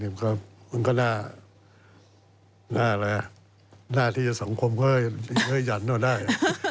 มันก็หน้าที่สังคมก็ยันต์ออกได้